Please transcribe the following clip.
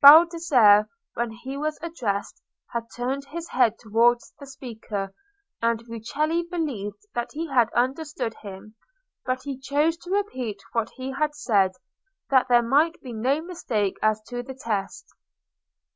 Baldassarre, when he was addressed, had turned his head towards the speaker, and Rucellai believed that he had understood him. But he chose to repeat what he had said, that there might be no mistake as to the test.